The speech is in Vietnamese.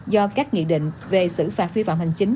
do các nghị định về sử phạt vi phạm hành chính